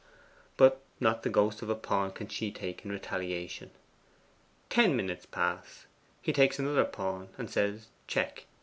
but not the ghost of a pawn can she take in retaliation. Ten minutes pass: he takes another pawn and says, 'Check!